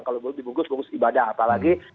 kalau dulu dibungkus bungkus ibadah apalagi